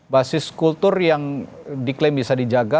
basis kultur yang diklaim bisa dijaga